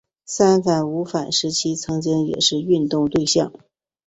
三反五反时期曾经也是运动对象。